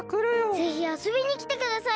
ぜひあそびにきてください。